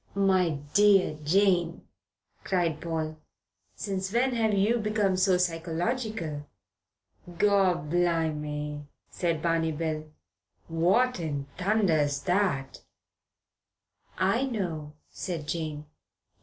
"My dear Jane," cried Paul. "Since when have you become so psychological?" "Gorblime," said Barney Bill, "what in thunder's that?" "I know," said Jane.